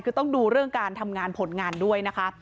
คือต้องดูเรื่องการทำงานผลงานด้วยนะคะ